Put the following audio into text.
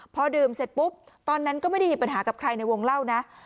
พอดื่มเสร็จปุ๊บตอนนั้นก็ไม่ได้มีปัญหากับใครในวงเล่านะ